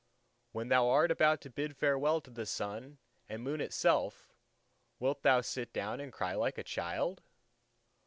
When thou art about to bid farewell to the Sun and Moon itself, wilt thou sit down and cry like a child?